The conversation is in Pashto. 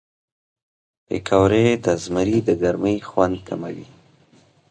پکورې د زمري د ګرمۍ خوند کموي